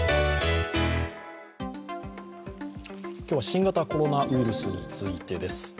今日は新型コロナウイルスについてです。